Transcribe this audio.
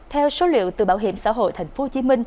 theo số liệu từ bảo hiểm xã hội tp hcm